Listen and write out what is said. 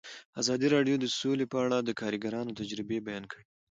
ازادي راډیو د سوله په اړه د کارګرانو تجربې بیان کړي.